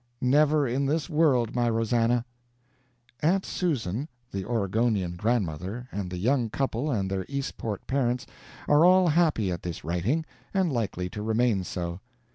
"Never in this world, my Rosannah!" Aunt Susan, the Oregonian grandmother, and the young couple and their Eastport parents, are all happy at this writing, and likely to remain so.